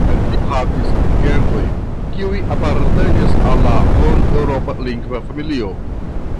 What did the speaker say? Gravan rolon en tio havis gentoj, kiuj apartenis al la hind-eŭropa lingva familio.